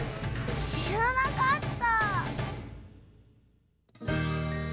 しらなかった！